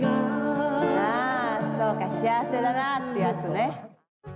あそうか「幸せだなァ」ってやつね。